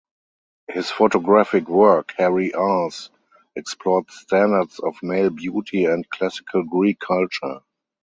His photographic work "Hairy Arse" explored standards of male beauty and Classical Greek culture.